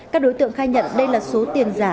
các đối tượng khai nhận đây là số tiền giả